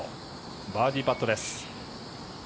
バーディーパットです。